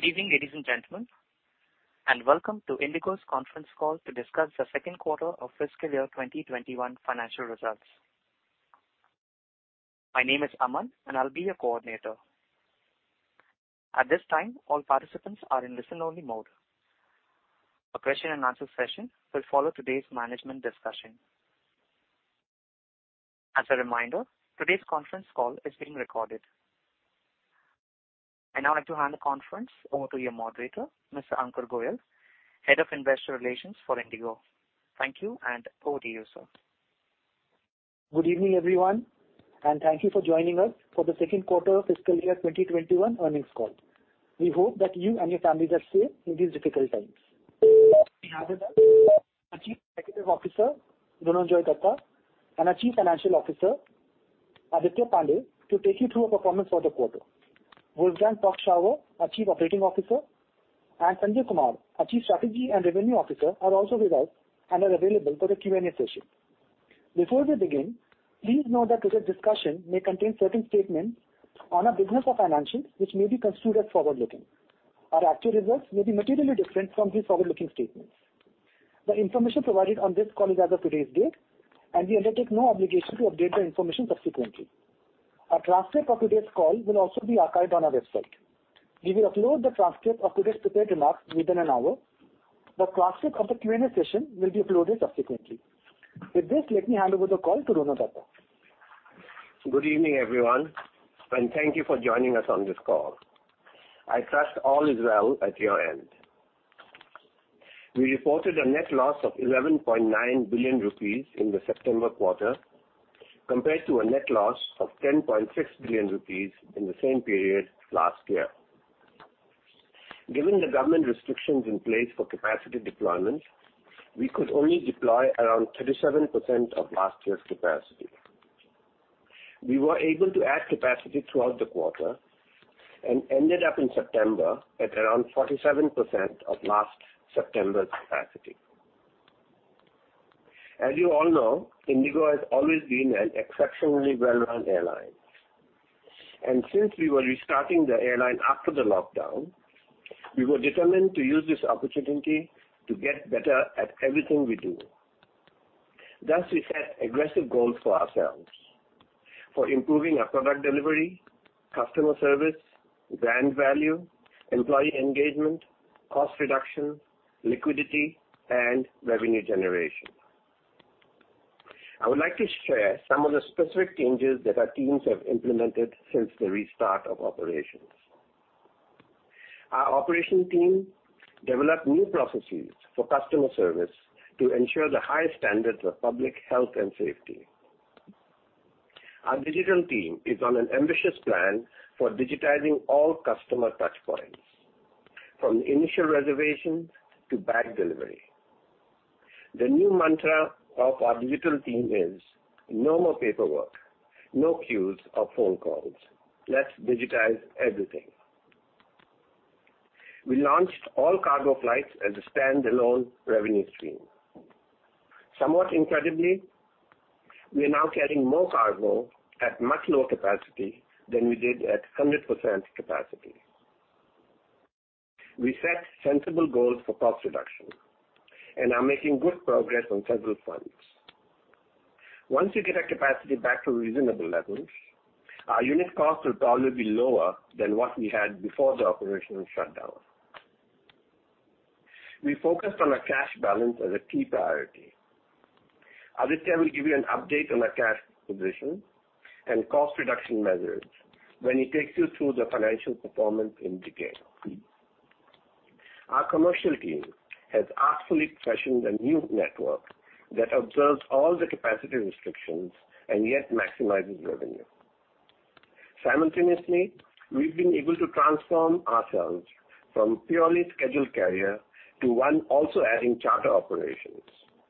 Good evening, ladies and gentlemen, and welcome to IndiGo's conference call to discuss the Q2 of fiscal 2021 financial results. My name is Aman, and I'll be your coordinator. At this time, all participants are in listen-only mode. A question and answer session will follow today's management discussion. As a reminder, today's conference call is being recorded. I'd now like to hand the conference over to your moderator, Mr. Ankur Goel, Head of Investor Relations for IndiGo. Thank you, and over to you, sir. Good evening, everyone. Thank you for joining us for the Q2 fiscal year 2021 earnings call. We hope that you and your families are safe in these difficult times. We have with us our Chief Executive Officer, Ronojoy Dutta, and our Chief Financial Officer, Aditya Pande, to take you through our performance for the quarter. Wolfgang Prock-Schauer, our Chief Operating Officer, and Sanjay Kumar, our Chief Strategy and Revenue Officer, are also with us and are available for the Q&A session. Before we begin, please note that today's discussion may contain certain statements on our business or financials which may be considered forward-looking. Our actual results may be materially different from these forward-looking statements. The information provided on this call is as of today's date. We undertake no obligation to update the information subsequently. A transcript of today's call will also be archived on our website. We will upload the transcript of today's prepared remarks within an hour. The transcript of the Q&A session will be uploaded subsequently. With this, let me hand over the call to Rono Dutta. Good evening, everyone. Thank you for joining us on this call. I trust all is well at your end. We reported a net loss of 11.9 billion rupees in the September quarter, compared to a net loss of 10.6 billion rupees in the same period last year. Given the government restrictions in place for capacity deployment, we could only deploy around 37% of last year's capacity. We were able to add capacity throughout the quarter and ended up in September at around 47% of last September's capacity. As you all know, IndiGo has always been an exceptionally well-run airline, and since we were restarting the airline after the lockdown, we were determined to use this opportunity to get better at everything we do. Thus, we set aggressive goals for ourselves for improving our product delivery, customer service, brand value, employee engagement, cost reduction, liquidity, and revenue generation. I would like to share some of the specific changes that our teams have implemented since the restart of operations. Our operation team developed new processes for customer service to ensure the highest standards of public health and safety. Our digital team is on an ambitious plan for digitizing all customer touchpoints, from the initial reservations to bag delivery. The new mantra of our digital team is, "No more paperwork, no queues or phone calls. Let's digitize everything." We launched all cargo flights as a stand-alone revenue stream. Somewhat incredibly, we are now carrying more cargo at much lower capacity than we did at 100% capacity. We set sensible goals for cost reduction and are making good progress on several fronts. Once we get our capacity back to reasonable levels, our unit cost will probably be lower than what we had before the operational shutdown. We focused on our cash balance as a key priority. Aditya will give you an update on our cash position and cost reduction measures when he takes you through the financial performance in detail. Our commercial team has artfully fashioned a new network that observes all the capacity restrictions and yet maximizes revenue. Simultaneously, we've been able to transform ourselves from purely scheduled carrier to one also adding charter operations,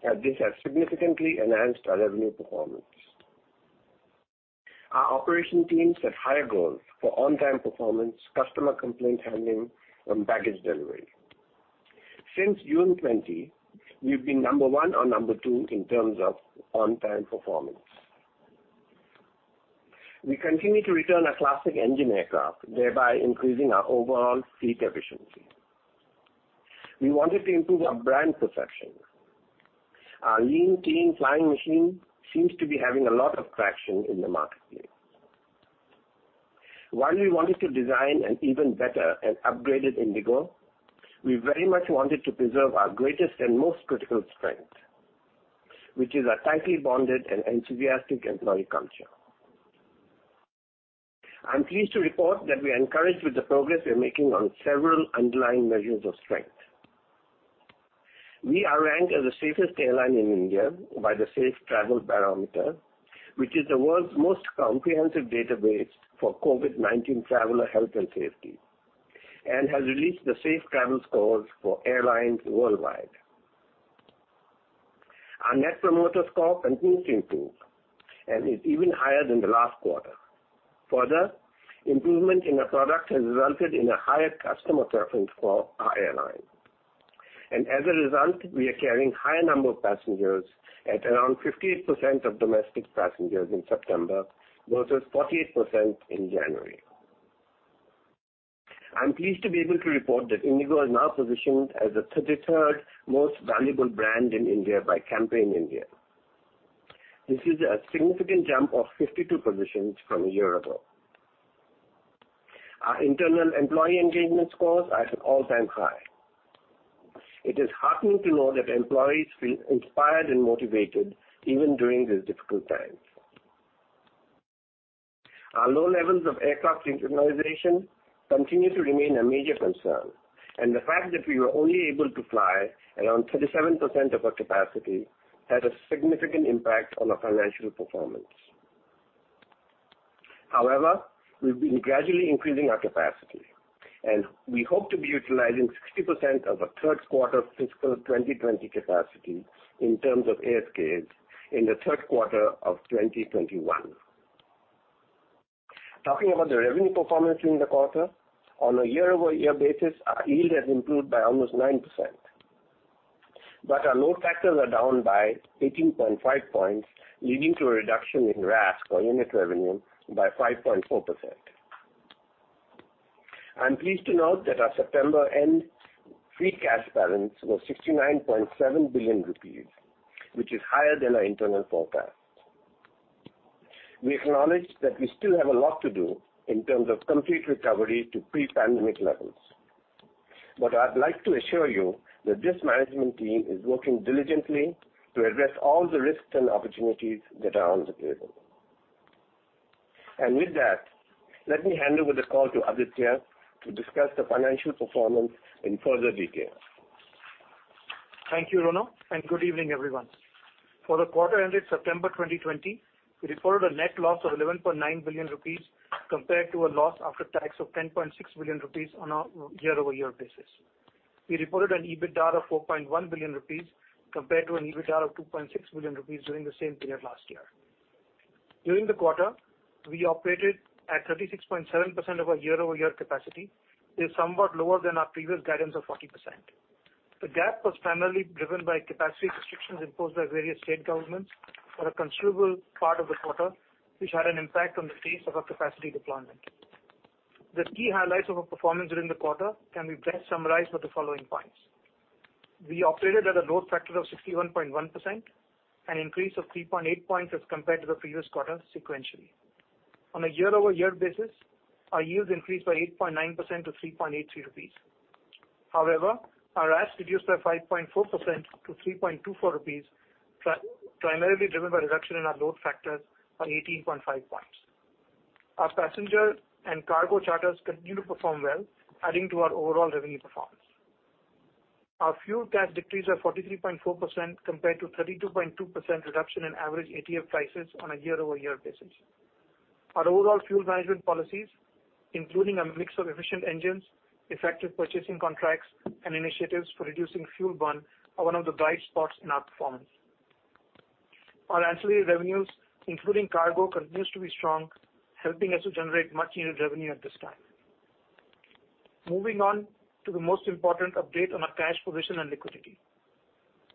and this has significantly enhanced our revenue performance. Our operation teams set higher goals for on-time performance, customer complaint handling, and baggage delivery. Since June 2020, we've been number 1 or number 2 in terms of on-time performance. We continue to return our classic engine aircraft, thereby increasing our overall fleet efficiency. We wanted to improve our brand perception. Our Lean Clean Flying Machine seems to be having a lot of traction in the marketplace. While we wanted to design an even better and upgraded IndiGo, we very much wanted to preserve our greatest and most critical strength, which is our tightly bonded and enthusiastic employee culture. I'm pleased to report that we are encouraged with the progress we are making on several underlying measures of strength. We are ranked as the safest airline in India by the Safe Travel Barometer, which is the world's most comprehensive database for COVID-19 traveler health and safety, and has released the safe travel scores for airlines worldwide. Our net promoter score continues to improve and is even higher than the last quarter. Further, improvement in our product has resulted in a higher customer preference for our airline. As a result, we are carrying higher number of passengers at around 58% of domestic passengers in September versus 48% in January. I am pleased to be able to report that IndiGo is now positioned as the 33rd most valuable brand in India by Campaign India. This is a significant jump of 52 positions from a year ago. Our internal employee engagement scores are at an all-time high. It is heartening to know that employees feel inspired and motivated even during these difficult times. Our low levels of aircraft utilization continue to remain a major concern, and the fact that we were only able to fly around 37% of our capacity had a significant impact on our financial performance. However, we've been gradually increasing our capacity, and we hope to be utilizing 60% of our Q3 fiscal 2020 capacity in terms of ASKs in the Q3 of 2021. Talking about the revenue performance during the quarter, on a year-over-year basis, our yield has improved by almost 9%. Our load factors are down by 18.5 points, leading to a reduction in RASK or unit revenue by 5.4%. I'm pleased to note that our September end free cash balance was ₹69.7 billion, which is higher than our internal forecast. We acknowledge that we still have a lot to do in terms of complete recovery to pre-pandemic levels. I'd like to assure you that this management team is working diligently to address all the risks and opportunities that are on the table. With that, let me hand over the call to Aditya to discuss the financial performance in further detail. Thank you, Rono, and good evening, everyone. For the quarter ended September 2020, we reported a net loss of ₹11.9 billion compared to a loss after tax of ₹10.6 billion on a year-over-year basis. We reported an EBITDA of ₹4.1 billion compared to an EBITDA of ₹2.6 billion during the same period last year. During the quarter, we operated at 36.7% of our year-over-year capacity, which is somewhat lower than our previous guidance of 40%. The gap was primarily driven by capacity restrictions imposed by various state governments for a considerable part of the quarter, which had an impact on the pace of our capacity deployment. The key highlights of our performance during the quarter can be best summarized by the following points. We operated at a load factor of 61.1%, an increase of 3.8 points as compared to the previous quarter sequentially. On a year-over-year basis, our yields increased by 8.9% to ₹3.83. However, our RASK reduced by 5.4% to ₹3.24, primarily driven by reduction in our load factors by 18.5 points. Our passenger and cargo charters continue to perform well, adding to our overall revenue performance. Our fuel cost decreased by 43.4% compared to 32.2% reduction in average ATF prices on a year-over-year basis. Our overall fuel management policies, including a mix of efficient engines, effective purchasing contracts, and initiatives for reducing fuel burn, are one of the bright spots in our performance. Our ancillary revenues, including cargo, continues to be strong, helping us to generate much needed revenue at this time. Moving on to the most important update on our cash position and liquidity.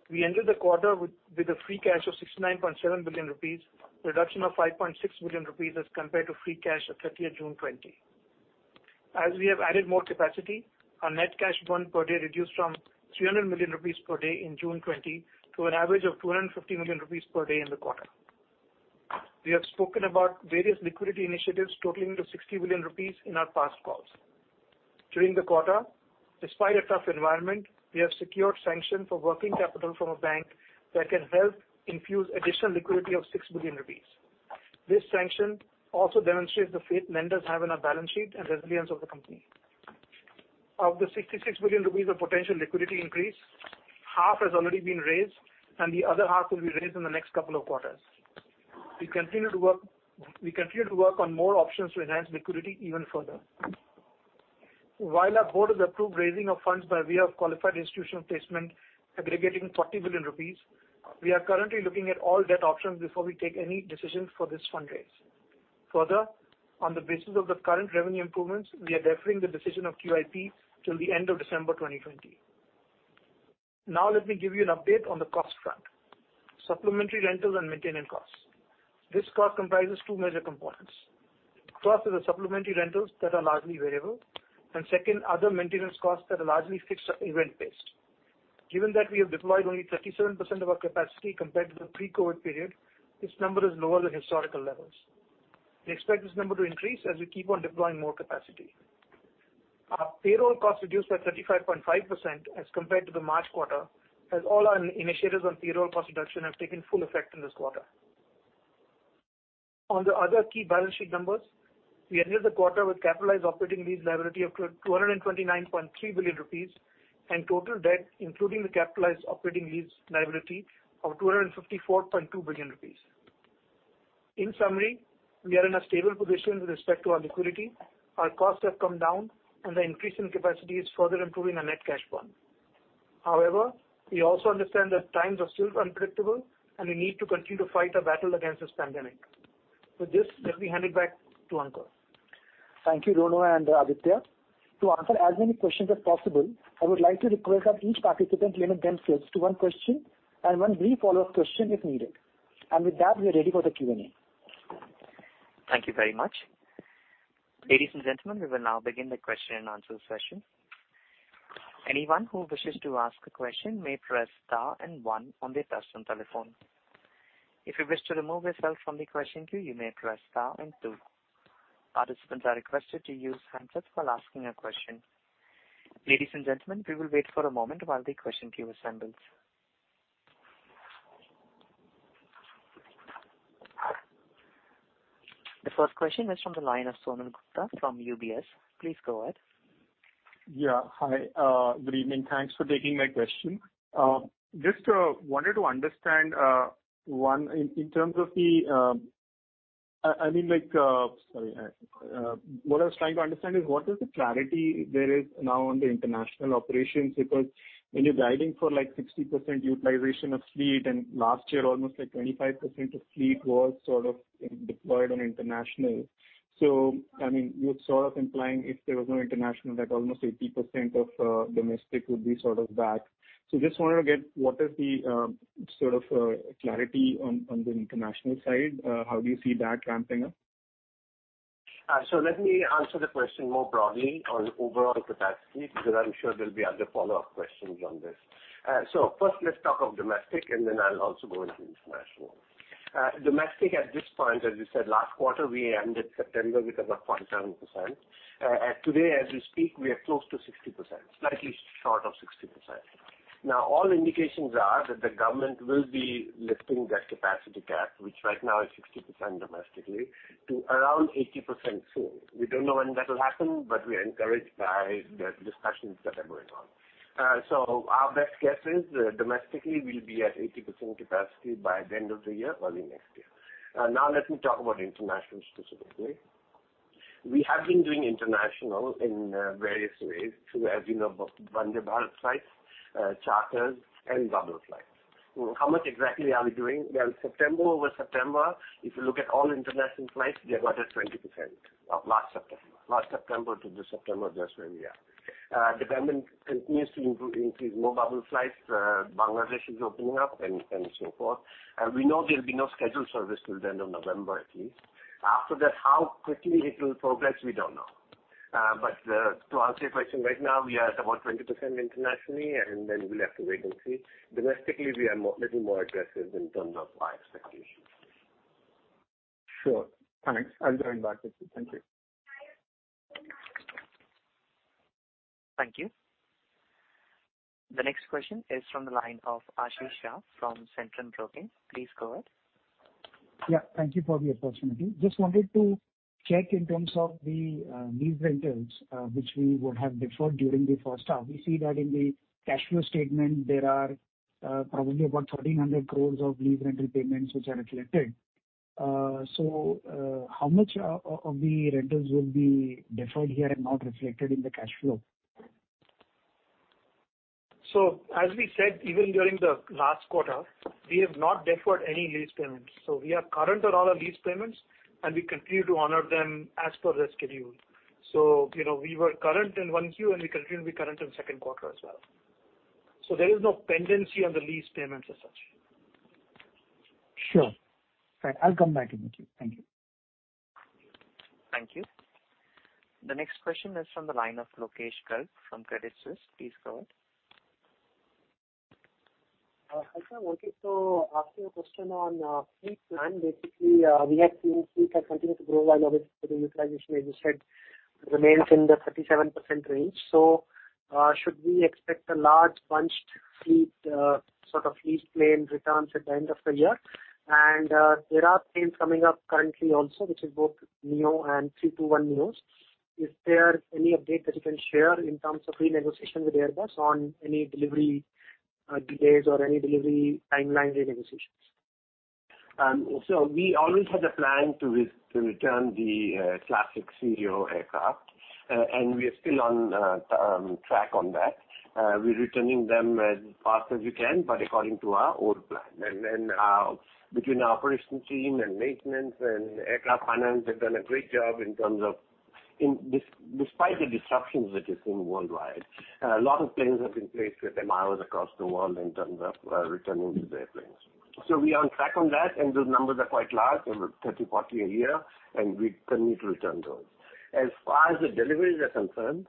We ended the quarter with a free cash of ₹69.7 billion, reduction of ₹5.6 million as compared to free cash at 30th June 2020. As we have added more capacity, our net cash burn per day reduced from 300 million rupees per day in June 2020 to an average of 250 million rupees per day in the quarter. We have spoken about various liquidity initiatives totaling to 60 billion rupees in our past calls. During the quarter, despite a tough environment, we have secured sanction for working capital from a bank that can help infuse additional liquidity of 6 billion rupees. This sanction also demonstrates the faith lenders have in our balance sheet and resilience of the company. Of the 66 billion rupees of potential liquidity increase, half has already been raised and the other half will be raised in the next couple of quarters. We continue to work on more options to enhance liquidity even further. While our board has approved raising of funds by way of qualified institutional placement aggregating ₹40 billion, we are currently looking at all debt options before we take any decisions for this fund raise. Further, on the basis of the current revenue improvements, we are deferring the decision of QIP till the end of December 2020. Now let me give you an update on the cost front. Supplementary rental and maintenance costs. This cost comprises two major components. First is the supplementary rentals that are largely variable, and second, other maintenance costs that are largely fixed event based. Given that we have deployed only 37% of our capacity compared to the pre-COVID period, this number is lower than historical levels. We expect this number to increase as we keep on deploying more capacity. Our payroll cost reduced by 35.5% as compared to the March quarter, as all our initiatives on payroll cost reduction have taken full effect in this quarter. On the other key balance sheet numbers, we ended the quarter with capitalized operating lease liability of ₹229.3 billion and total debt, including the capitalized operating lease liability of ₹254.2 billion. In summary, we are in a stable position with respect to our liquidity. Our costs have come down and the increase in capacity is further improving our net cash burn. However, we also understand that times are still unpredictable and we need to continue to fight a battle against this pandemic. With this, let me hand it back to Ankur. Thank you, Rono and Aditya. To answer as many questions as possible, I would like to request that each participant limit themselves to one question and one brief follow-up question if needed. With that, we are ready for the Q&A. Thank you very much. Ladies and gentlemen, we will now begin the question and answer session. Anyone who wishes to ask a question may press star and one on their touchtone telephone. If you wish to remove yourself from the question queue you may press star and two. Participants are requested to use handsets while asking a question. Ladies and gentlemen, we will wait for a moment while the question queue assembles. The first question is from the line of Sonal Gupta from UBS. Please go ahead. Yeah. Hi. Good evening. Thanks for taking my question. Just wanted to understand, one, what I was trying to understand is what is the clarity there is now on the international operations because when you're guiding for 60% utilization of fleet, and last year almost 25% of fleet was deployed on international. You're sort of implying if there was no international, that almost 80% of domestic would be sort of back. Just wanted to get what is the sort of clarity on the international side. How do you see that ramping up? Let me answer the question more broadly on overall capacity, because I'm sure there'll be other follow-up questions on this. First, let's talk of domestic, and then I'll also go into international. Domestic at this point, as you said, last quarter we ended September with about 47%. Today as we speak, we are close to 60%, slightly short of 60%. All indications are that the government will be lifting that capacity cap, which right now is 60% domestically to around 80% soon. We don't know when that'll happen, but we are encouraged by the discussions that are going on. Our best guess is domestically we'll be at 80% capacity by the end of the year, early next year. Let me talk about international specifically. We have been doing international in various ways through, as you know, Vande Bharat flights, charters, and bubble flights. How much exactly are we doing? Well, September-over-September, if you look at all international flights, we are about at 20% of last September. Last September to this September that's where we are. Demand continues to increase. More bubble flights. Bangladesh is opening up and so forth. We know there'll be no scheduled service till the end of November at least. How quickly it will progress, we don't know. To answer your question, right now we are at about 20% internationally, and then we'll have to wait and see. Domestically, we are little more aggressive in terms of our expectations. Sure. Thanks. I'll join back with you. Thank you. Thank you. The next question is from the line of Ashish Shah from Centrum Broking. Please go ahead. Yeah. Thank you for the opportunity. Just wanted to check in terms of the lease rentals which we would have deferred during the first half. We see that in the cash flow statement there are probably about 1,300 crores of lease rental payments which are reflected. How much of the rentals will be deferred here and not reflected in the cash flow? As we said, even during the last quarter, we have not deferred any lease payments. We are current on all our lease payments, and we continue to honor them as per the schedule. We were current in 1Q, and we continue to be current in the second quarter as well. There is no pendency on the lease payments as such. Sure. Right. I'll come back in with you. Thank you. Thank you. The next question is from the line of Lokesh Garg from Credit Suisse. Please go ahead. Hi, sir. I wanted to ask you a question on fleet plan. We have seen fleet has continued to grow while obviously the utilization, as you said, remains in the 37% range. Should we expect a large bunched fleet, sort of lease plane returns at the end of the year? There are planes coming up currently also, which is both neo and 321 neos. Is there any update that you can share in terms of renegotiation with Airbus on any delivery delays or any delivery timeline renegotiations? We always had a plan to return the classic ceo aircraft, and we are still on track on that. We are returning them as fast as we can, but according to our old plan. Between our operations team and maintenance and aircraft finance have done a great job despite the disruptions that you have seen worldwide. A lot of planes have been placed with miles across the world in terms of returning these airplanes. We are on track on that, and those numbers are quite large, 30, 40 a year, and we continue to return those. As far as the deliveries are concerned,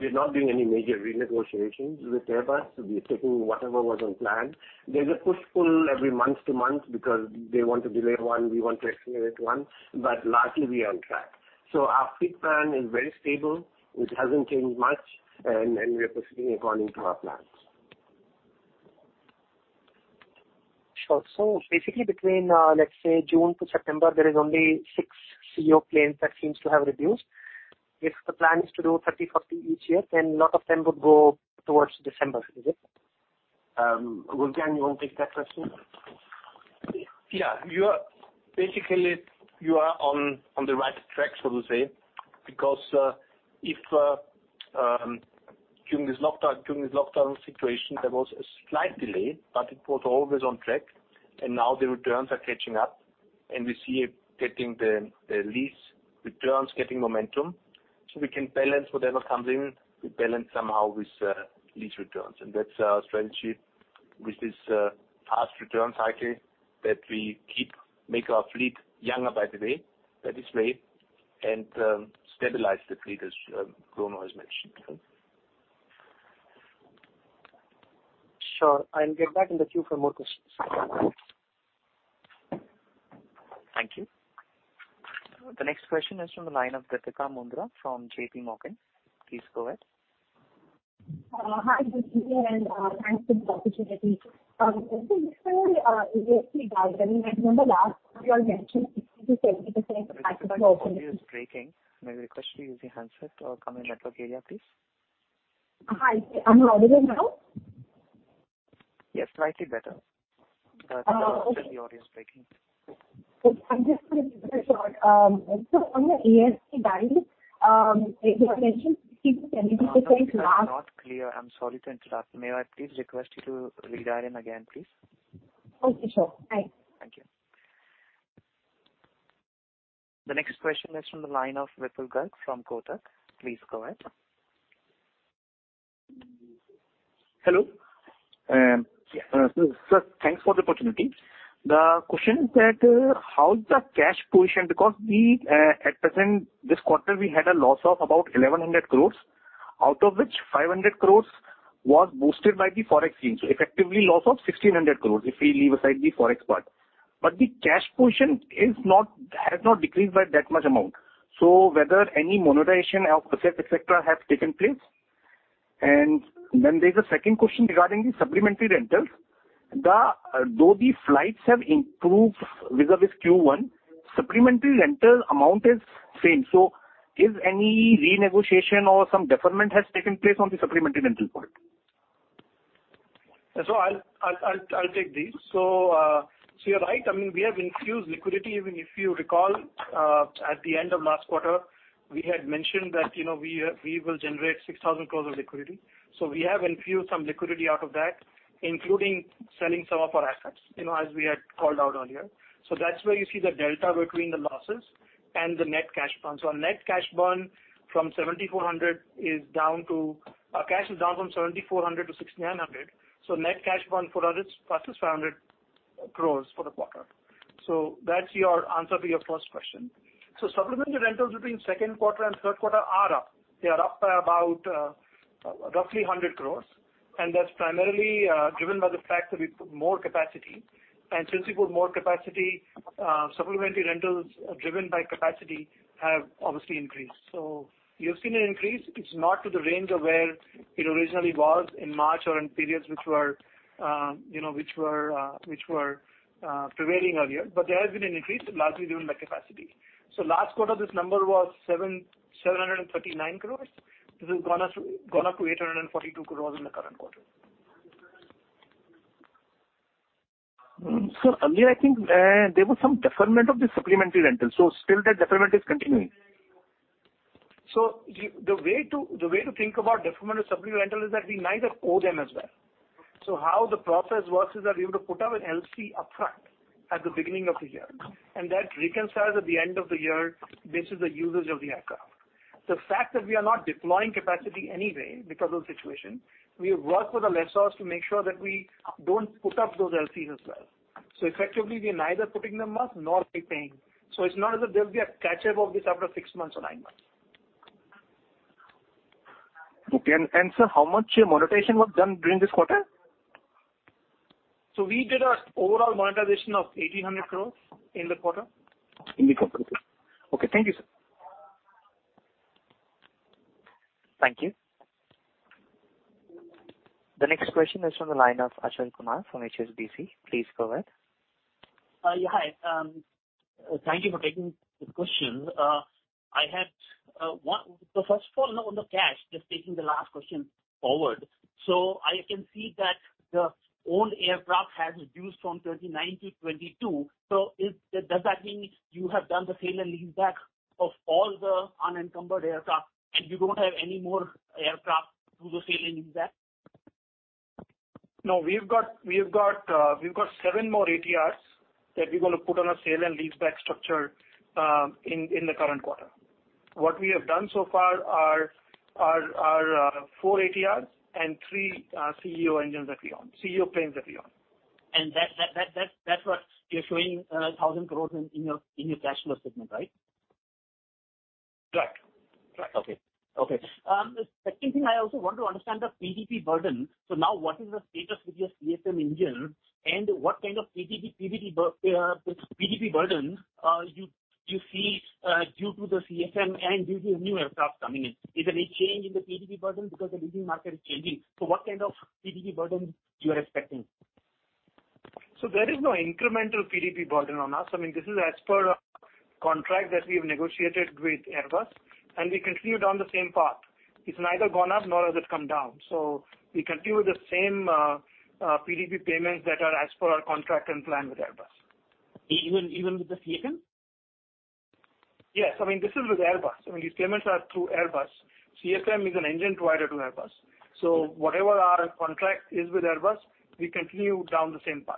we are not doing any major renegotiations with Airbus. We are taking whatever was on plan. There is a push-pull every month to month because they want to delay one, we want to accelerate one, but largely we are on track. Our fleet plan is very stable. It hasn't changed much, and we are proceeding according to our plans. Sure. Basically between, let's say June to September, there is only six CEO planes that seems to have reduced. If the plan is to do 30, 40 each year, then lot of them would go towards December, is it? Christian, you want to take that question? Basically you are on the right track, so to say, because During this lockdown situation, there was a slight delay, but it was always on track, and now the returns are catching up, and we see the lease returns getting momentum. We can balance whatever comes in. We balance somehow with lease returns. That's our strategy with this fast return cycle, that we keep our fleet younger, by the way, that is made, and stabilize the fleet, as Rono has mentioned. Sure. I'll get back in the queue for more questions. Thank you. The next question is from the line of Deepika Mundra from JPMorgan. Please go ahead. Hi, good evening, and thanks for the opportunity. Before we, ASK guidance, I remember last you all mentioned 50%-70%. Deepika, the audio is breaking. May I request you use a handset or come in network area, please? Hi, I'm audible now? Yes, slightly better. Oh, okay. Still the audio is breaking. Okay. I am just going to be very short. On the ASK guidance, you mentioned 50% to 70% last- No, no. Still not clear. I'm sorry to interrupt. May I please request you to redial in again, please? Okay, sure. Bye. Thank you. The next question is from the line of Vipul Garg from Kotak. Please go ahead. Hello. Sir, thanks for the opportunity. The question is that how's the cash position? At present, this quarter, we had a loss of about 1,100 crores, out of which 500 crores was boosted by the Forex gains. Effectively, loss of 1,600 crores, if we leave aside the Forex part. The cash portion has not decreased by that much amount. Whether any monetization of assets, et cetera, have taken place? There's a second question regarding the supplementary rentals. Though the flights have improved vis-à-vis Q1, supplementary rental amount is same. Is any renegotiation or some deferment has taken place on the supplementary rental part? I'll take this. You're right. We have infused liquidity. Even if you recall, at the end of last quarter, we had mentioned that we will generate 6,000 crores of liquidity. We have infused some liquidity out of that, including selling some of our assets, as we had called out earlier. That's where you see the delta between the losses and the net cash burn. Our cash is down from 7,400 to 6,900. Net cash burn for us is 500 crores for the quarter. That's your answer to your first question. Supplementary rentals between Q2 and Q3 are up. They are up by about roughly 100 crores, and that's primarily driven by the fact that we put more capacity. Since we put more capacity, supplementary rentals driven by capacity have obviously increased. You've seen an increase. It's not to the range of where it originally was in March or in periods which were prevailing earlier. There has been an increase, largely driven by capacity. Last quarter, this number was 739 crores. This has gone up to 842 crores in the current quarter. Sir, earlier I think there was some deferment of the supplementary rentals. Still that deferment is continuing? The way to think about deferment of supplementary rental is that we neither owe them as well. How the process works is that we have to put up an LC upfront at the beginning of the year, and that reconciles at the end of the year based on the usage of the aircraft. The fact that we are not deploying capacity anyway because of the situation, we have worked with the lessors to make sure that we don't put up those LCs as well. Effectively, we are neither putting them up nor are we paying. It's not as if there will be a catch-up of this after six months or nine months. Okay. Sir, how much monetization was done during this quarter? We did an overall monetization of 1,800 crores in the quarter. In the quarter. Okay. Thank you, sir. Thank you. The next question is from the line of Ashwin Kumar from HSBC. Please go ahead. Hi. Thank you for taking this question. First of all, on the cash, just taking the last question forward. I can see that the owned aircraft has reduced from 39 to 22. Does that mean you have done the sale and leaseback of all the unencumbered aircraft and you don't have any more aircraft to do sale and leaseback? No, we've got seven more ATRs that we're going to put on a sale and leaseback structure in the current quarter. What we have done so far are four ATRs and three CEO planes that we own. That's what you're showing 1,000 crore in your cash flow statement, right? Correct. Okay. Second thing, I also want to understand the PDP burden. Now what is the status with your CFM engine and what kind of PDP burden you see due to the CFM and due to your new aircraft coming in? Is there any change in the PDP burden because the leasing market is changing? What kind of PDP burden you are expecting? There is no incremental PDP burden on us. This is as per our contract that we've negotiated with Airbus, and we continue down the same path. It's neither gone up, nor has it come down. We continue with the same PDP payments that are as per our contract and plan with Airbus. Even with the CFM? Yes, this is with Airbus. These payments are through Airbus. CFM is an engine provider to Airbus. Whatever our contract is with Airbus, we continue down the same path.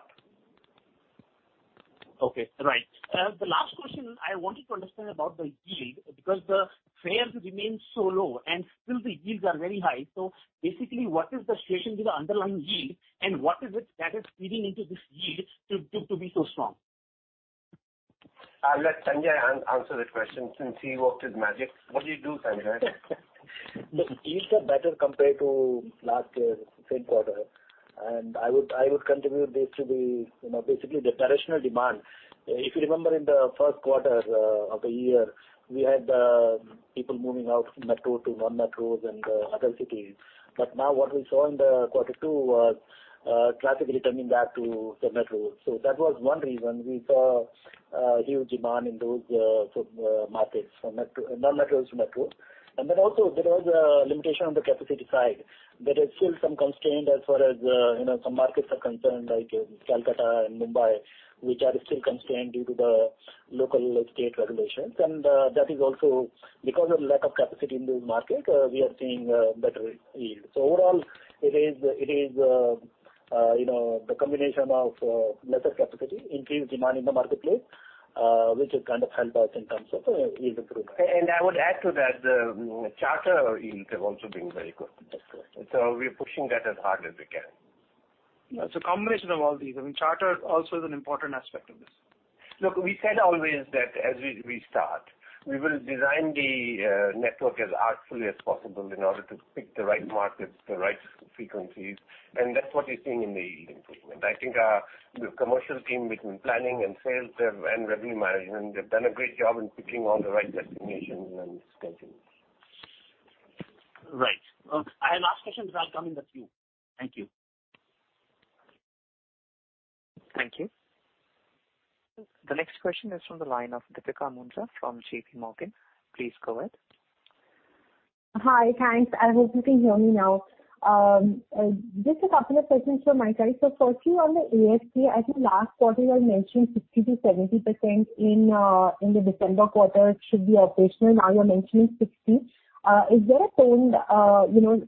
Okay. Right. The last question I wanted to understand about the yield, because the fares remain so low and still the yields are very high. Basically, what is the situation with the underlying yield, and what is it that is feeding into this yield to be so strong? I'll let Sanjay answer that question since he worked his magic. What do you do, Sanjay? Look, yields are better compared to last year, same quarter. I would contribute this to be basically the traditional demand. If you remember in the Q1 of the year, we had people moving out metro to non-metros and other cities. Now what we saw in the Q2 was traffic returning back to the metro. That was one reason we saw a huge demand in those markets, non-metros to metro. Then also there was a limitation on the capacity side. There is still some constraint as far as some markets are concerned, like Kolkata and Mumbai, which are still constrained due to the local state regulations. That is also because of lack of capacity in those markets, we are seeing better yield. Overall, it is the combination of lesser capacity, increased demand in the marketplace, which has kind of helped us in terms of yield improvement. I would add to that, the charter yields have also been very good. We're pushing that as hard as we can. It's a combination of all these. I mean, charter also is an important aspect of this. Look, we said always that as we start, we will design the network as artfully as possible in order to pick the right markets, the right frequencies, and that's what you're seeing in the yield improvement. I think our commercial team between planning and sales and revenue management have done a great job in picking all the right destinations and schedules. Right. I have last questions, but I'll come in the queue. Thank you. Thank you. The next question is from the line of Deepika Mundra from JPMorgan. Please go ahead. Hi. Thanks. I hope you can hear me now. Just a couple of questions from my side. Firstly, on the ASK, I think last quarter you had mentioned 60%-70% in the December quarter it should be operational. Now you're mentioning 60. Are your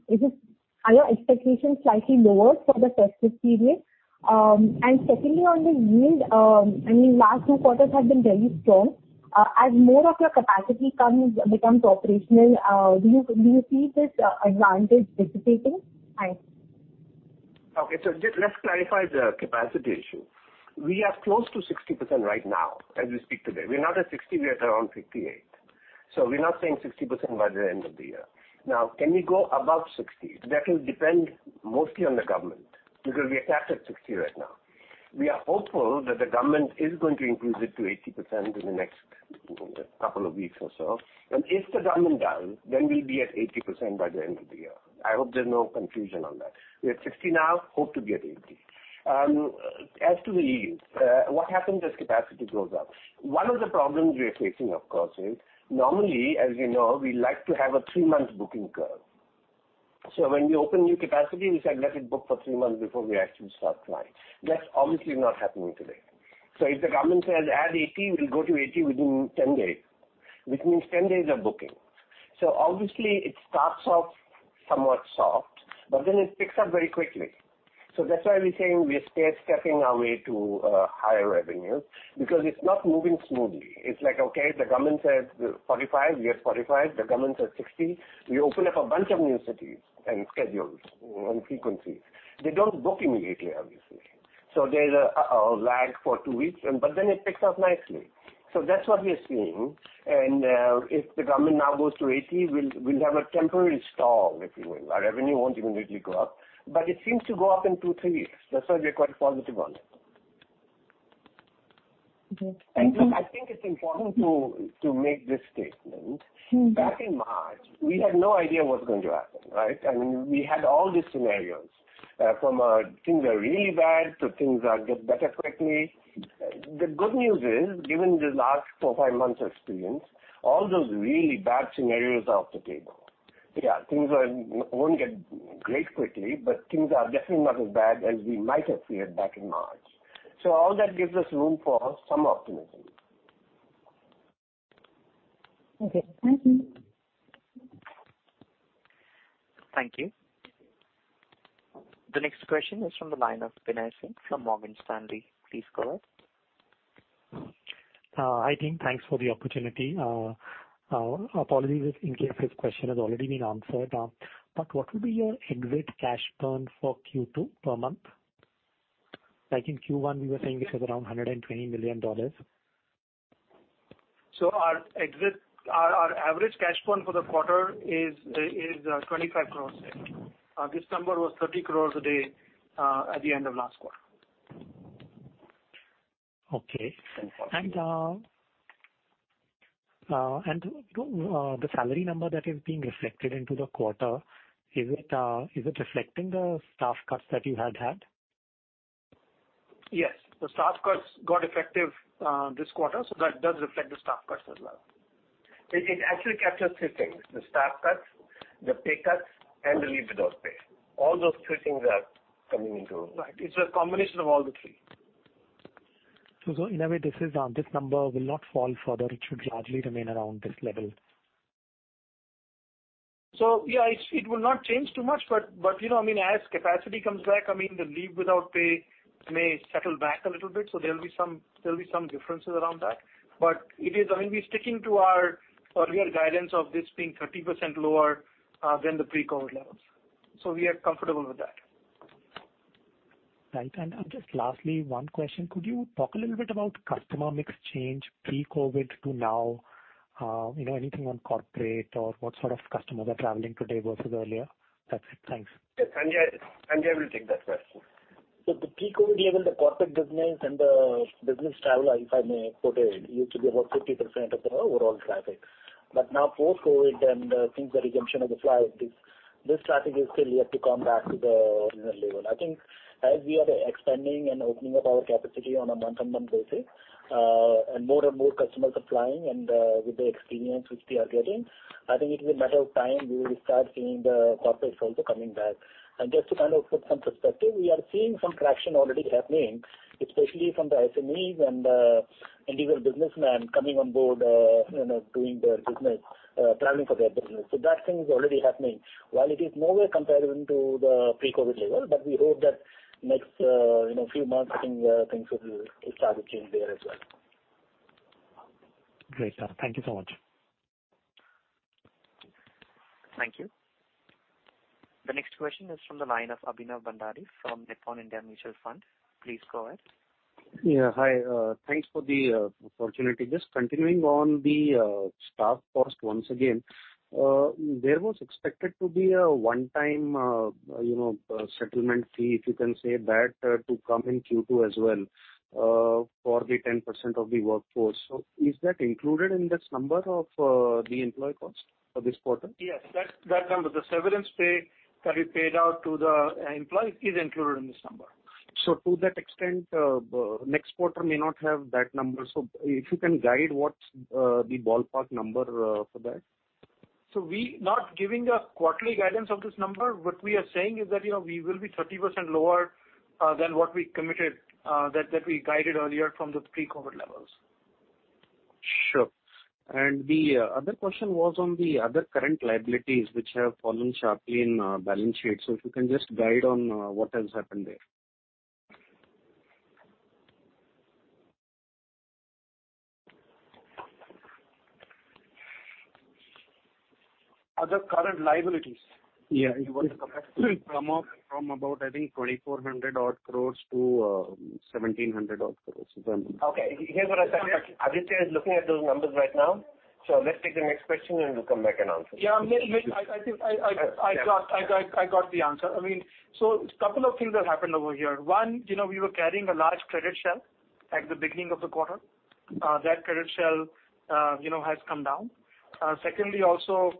expectations slightly lower for the festive period? Secondly, on the yield, last two quarters have been very strong. As more of your capacity becomes operational, do you see this advantage dissipating? Thanks. Okay. Just let's clarify the capacity issue. We are close to 60% right now as we speak today. We're not at 60, we are around 58. We're not saying 60% by the end of the year. Can we go above 60? That will depend mostly on the government, because we are capped at 60 right now. We are hopeful that the government is going to increase it to 80% in the next couple of weeks or so. If the government does, we'll be at 80% by the end of the year. I hope there's no confusion on that. We're at 60 now, hope to be at 80. As to the yields, what happens as capacity goes up? One of the problems we are facing, of course, is normally, as you know, we like to have a 3-month booking curve. When we open new capacity, we say, let it book for three months before we actually start flying. That's obviously not happening today. If the government says add 80, we'll go to 80 within 10 days, which means 10 days of booking. Obviously it starts off somewhat soft, but then it picks up very quickly. That's why we're saying we are stair-stepping our way to higher revenue because it's not moving smoothly. It's like, okay, the government says 45, we are 45. The government says 60, we open up a bunch of new cities and schedules and frequencies. They don't book immediately, obviously. There's a lag for two weeks, but then it picks up nicely. That's what we are seeing. If the government now goes to 80, we'll have a temporary stall, if you will. Our revenue won't immediately go up, but it seems to go up in two, three weeks. That's why we're quite positive on it. Okay. Thank you. Look, I think it's important to make this statement. Back in March, we had no idea what's going to happen, right? I mean, we had all these scenarios, from things are really bad to things get better quickly. The good news is, given this last four, five months experience, all those really bad scenarios are off the table. Yeah, things won't get great quickly, but things are definitely not as bad as we might have feared back in March. All that gives us room for some optimism. Okay. Thank you. Thank you. The next question is from the line of Binay Singh from Morgan Stanley. Please go ahead. Hi, team. Thanks for the opportunity. Apologies if in case this question has already been answered. What will be your aggregate cash burn for Q2 per month? Like in Q1, we were saying it was around INR 120 million. Our average cash burn for the quarter is 25 crores a day. December was 30 crores a day at the end of last quarter. Okay. The salary number that is being reflected into the quarter, is it reflecting the staff cuts that you had had? Yes. The staff cuts got effective this quarter, that does reflect the staff cuts as well. It actually captures three things, the staff cuts, the pay cuts, and the leave without pay. All those three things are coming into it. Right. It's a combination of all the three. In a way, this number will not fall further. It should largely remain around this level. Yeah, it will not change too much. As capacity comes back, the leave without pay may settle back a little bit. There'll be some differences around that. We're sticking to our real guidance of this being 30% lower than the pre-COVID levels. We are comfortable with that. Right. Just lastly, one question, could you talk a little bit about customer mix change pre-COVID to now? Anything on corporate or what sort of customers are traveling today versus earlier? That's it. Thanks. Yes. Sanjay will take that question. The pre-COVID level, the corporate business and the business traveler, if I may put it, used to be about 50% of the overall traffic. Now post-COVID and since the resumption of the flight, this traffic is still yet to come back to the original level. I think as we are expanding and opening up our capacity on a month-on-month basis, and more and more customers are flying with the experience which they are getting, I think it's a matter of time we will start seeing the corporates also coming back. Just to put some perspective, we are seeing some traction already happening, especially from the SMEs and individual businessmen coming on board doing their business, traveling for their business. That thing is already happening. While it is nowhere comparable to the pre-COVID level, but we hope that next few months, things will start to change there as well. Great. Thank you so much. Thank you. The next question is from the line of Abhinav Bhandari from Nippon India Mutual Fund. Please go ahead. Yeah. Hi, thanks for the opportunity. Just continuing on the staff cost once again. There was expected to be a one-time settlement fee, if you can say that, to come in Q2 as well for the 10% of the workforce. Is that included in this number of the employee cost for this quarter? Yes. That number, the severance pay that we paid out to the employee, is included in this number. To that extent, next quarter may not have that number. If you can guide what's the ballpark number for that? We're not giving a quarterly guidance of this number. What we are saying is that we will be 30% lower than what we committed, that we guided earlier from the pre-COVID levels. Sure. The other question was on the other current liabilities which have fallen sharply in balance sheet. If you can just guide on what has happened there. Other current liabilities? Yeah. You want to come back to me? From about, I think, 2,400 odd crores to 1,700 odd crores. Okay. Here's what I said. Aditya is looking at those numbers right now. Let's take the next question, and we'll come back and answer. Yeah. I think I got the answer. A couple of things have happened over here. One, we were carrying a large credit shell at the beginning of the quarter. That credit shell has come down. Secondly, also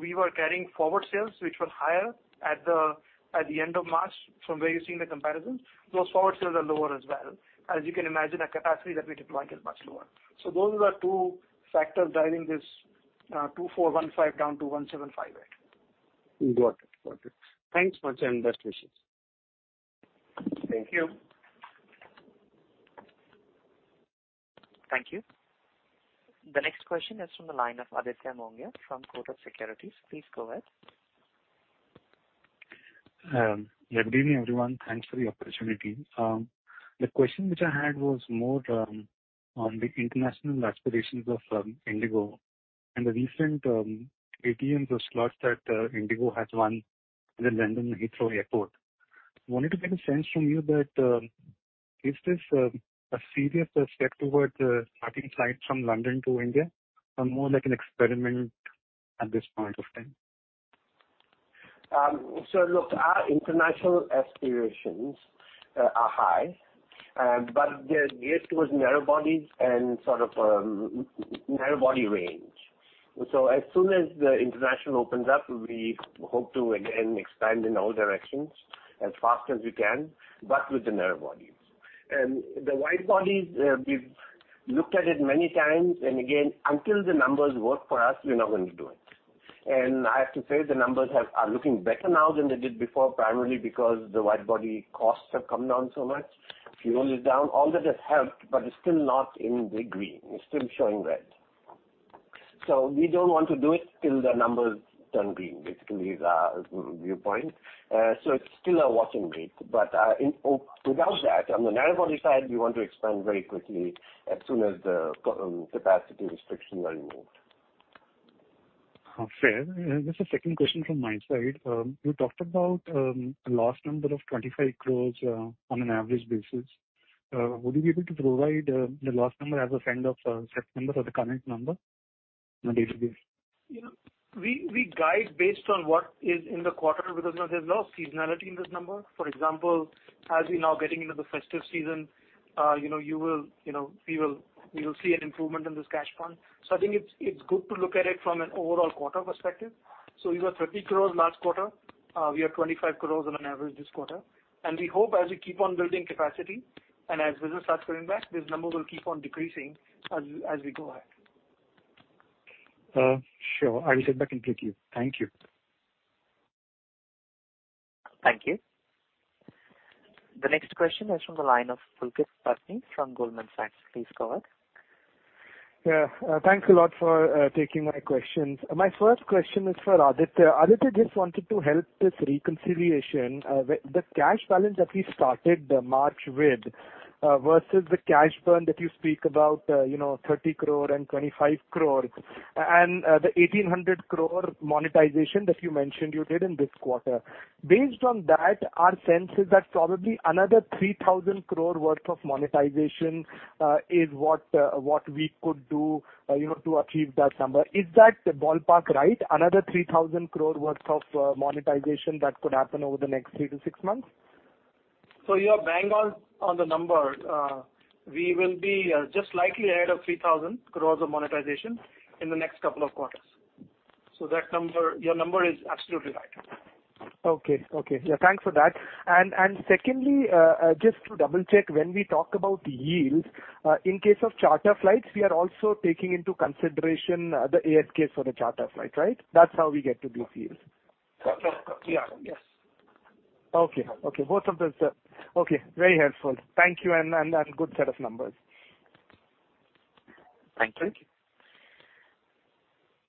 we were carrying forward sales, which were higher at the end of March from where you're seeing the comparison. Those forward sales are lower as well. As you can imagine, our capacity that we deployed is much lower. Those are the two factors driving this 2,415 down to INR 1,758. Got it. Thanks much, and best wishes. Thank you. Thank you. The next question is from the line of Aditya Mongia from Kotak Securities. Please go ahead. Good evening, everyone. Thanks for the opportunity. The question which I had was more on the international aspirations of IndiGo and the recent ATMs or slots that IndiGo has won in the London Heathrow Airport. Wanted to get a sense from you that, is this a serious step toward starting flights from London to India, or more like an experiment at this point of time? Look, our international aspirations are high, but they're geared towards narrow-bodies and sort of narrow-body range. As soon as the international opens up, we hope to again expand in all directions as fast as we can, but with the narrow-bodies. The wide-bodies, we've looked at it many times, and again, until the numbers work for us, we're not going to do it. I have to say the numbers are looking better now than they did before, primarily because the wide-body costs have come down so much. Fuel is down. All that has helped, but it's still not in the green. It's still showing red. We don't want to do it till the numbers turn green, basically, is our viewpoint. It's still a watch and wait. Without that, on the narrow body side, we want to expand very quickly as soon as the capacity restrictions are removed. Fair. Just a second question from my side. You talked about a loss number of 25 crores on an average basis. Would you be able to provide the loss number as a kind of set number or the current number day to day? We guide based on what is in the quarter because there is a lot of seasonality in this number. For example, as we now getting into the festive season, we will see an improvement in this cash burn. I think it is good to look at it from an overall quarter perspective. It was 30 crores last quarter. We are 25 crores on an average this quarter. We hope as we keep on building capacity and as business starts coming back, this number will keep on decreasing as we go ahead. Sure. I will sit back and wait here. Thank you. Thank you. The next question is from the line of Pulkit Patni from Goldman Sachs. Please go ahead. Yeah. Thanks a lot for taking my questions. My first question is for Aditya. Aditya, just wanted to help this reconciliation. The cash balance that we started March with, versus the cash burn that you speak about, 30 crore and 25 crore, and the 1,800 crore monetization that you mentioned you did in this quarter. Based on that, our sense is that probably another 3,000 crore worth of monetization is what we could do to achieve that number. Is that ballpark right? Another 3,000 crore worth of monetization that could happen over the next three to six months? You are bang on the number. We will be just slightly ahead of 3,000 crores of monetization in the next couple of quarters. Your number is absolutely right. Okay. Yeah, thanks for that. Secondly, just to double-check, when we talk about yields, in case of charter flights, we are also taking into consideration the ASKs for the charter flights, right? That's how we get to these yields. Yeah. Yes. Okay. Very helpful. Thank you, and good set of numbers. Thank you.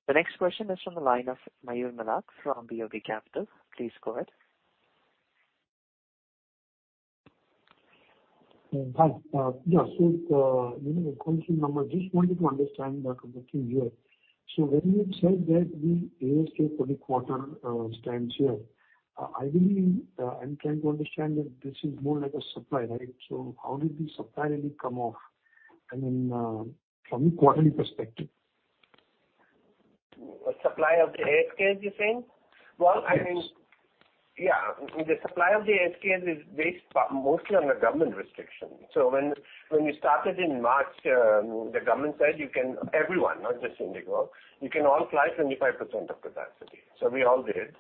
The next question is from the line of Mayur Milak from BOB Capital. Please go ahead. Hi. Yeah, regarding the numbers, just wanted to understand that a bit here. When you said that the ASK for the quarter stands here, I'm trying to understand that this is more like a supply, right? How did the supply really come off, from a quarterly perspective? Supply of the ASKs, you're saying? Yes. Yeah. The supply of the ASKs is based mostly on the government restriction. When we started in March, the government said, everyone, not just IndiGo, you can all fly 25% of capacity. We all did.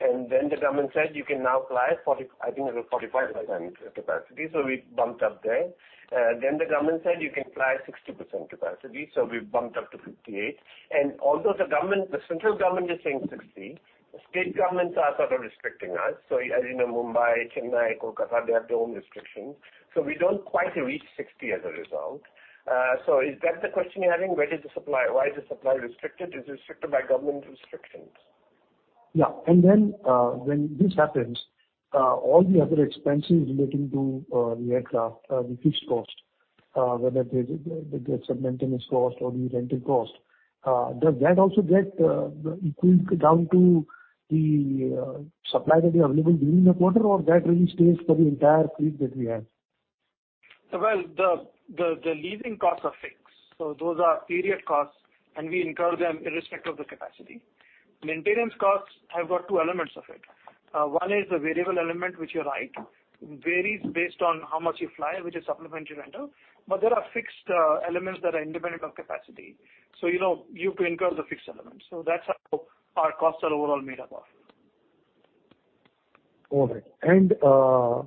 The government said, you can now fly 40, I think it was 45% capacity. We bumped up there. The government said, you can fly 60% capacity, so we bumped up to 58. Although the central government is saying 60, the state governments are sort of restricting us. As you know, Mumbai, Chennai, Kolkata, they have their own restrictions. We don't quite reach 60 as a result. Is that the question you're having? Where is the supply? Why is the supply restricted? It's restricted by government restrictions. Yeah. Then when this happens, all the other expenses relating to the aircraft, the fixed cost, whether there's some maintenance cost or the rental cost, does that also get scaled down to the supply that is available during the quarter or that really stays for the entire fleet that we have? The leasing costs are fixed, so those are period costs, and we incur them irrespective of the capacity. Maintenance costs have got two elements of it. One is the variable element, which you're right, varies based on how much you fly, which is supplemental rental. There are fixed elements that are independent of capacity. You have to incur the fixed elements. That's how our costs are overall made up of. All right.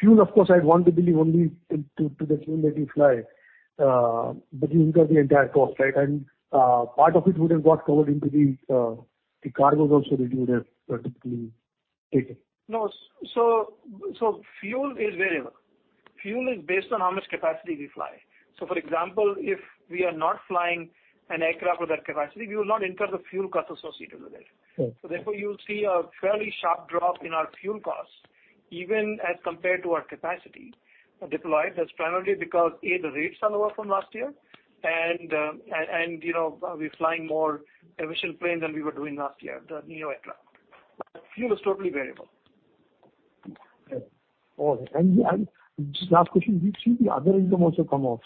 Fuel, of course, I'd want to believe only to the tune that you fly, but you incur the entire cost, right? Part of it would have got covered into the cargos also that you would have typically taken. No. Fuel is variable. Fuel is based on how much capacity we fly. For example, if we are not flying an aircraft with that capacity, we will not incur the fuel costs associated with it. Okay. Therefore, you'll see a fairly sharp drop in our fuel costs, even as compared to our capacity deployed. That's primarily because, A, the rates are lower from last year, and we're flying more efficient planes than we were doing last year, the neo aircraft. Fuel is totally variable. Okay. All right. Just last question. We've seen the other income also come up.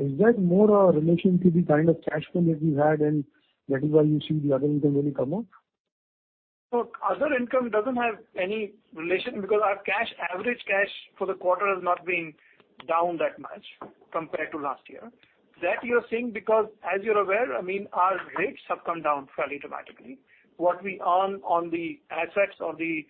Is that more a relation to the kind of cash flow that you had, and that is why you're seeing the other income really come up? No. Other income doesn't have any relation because our average cash for the quarter has not been down that much compared to last year. That you're seeing because, as you're aware, our rates have come down fairly dramatically. What we earn on the assets or the